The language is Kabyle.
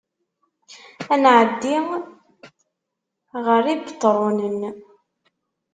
Ad nɛeddi ɣer Ibetṛunen.